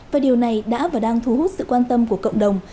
và điều này đã và đang thu hút sự quan tâm của cộng đồng